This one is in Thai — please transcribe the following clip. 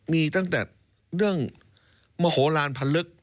มีตั้งแต่เรื่องมโหลานพันลึก